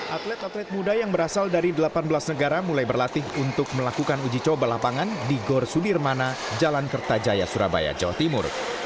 atlet atlet muda yang berasal dari delapan belas negara mulai berlatih untuk melakukan uji coba lapangan di gor sudirmana jalan kertajaya surabaya jawa timur